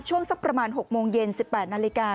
สักประมาณ๖โมงเย็น๑๘นาฬิกา